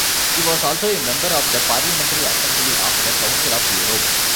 He was also a member of the Parliamentary Assembly of the Council of Europe.